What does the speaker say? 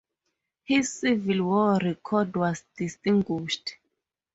His Civil War record was distinguished.